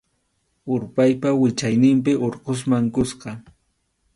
Urpaypa wichayninpi Urqusman kuska.